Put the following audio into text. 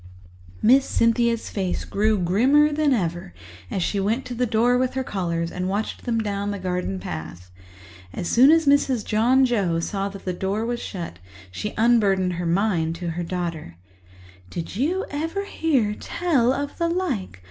Miss Cynthia's face grew grimmer than ever as she went to the door with her callers and watched them down the garden path. As soon as Mrs. John Joe saw that the door was shut, she unburdened her mind to her daughter. "Did you ever hear tell of the like?